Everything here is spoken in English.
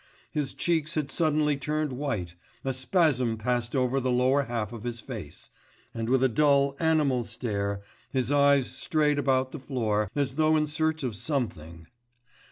His cheeks had suddenly turned white, a spasm passed over the lower half of his face, and with a dull animal stare his eyes strayed about the floor, as though in search of something....